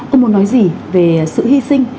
ông muốn nói gì về sự hy sinh